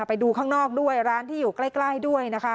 ไปดูข้างนอกด้วยร้านที่อยู่ใกล้ด้วยนะคะ